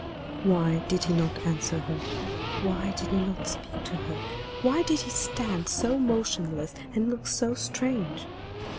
Why did he not answer her? Why did he not speak to her? Why did he stand so motionless, and look so strange?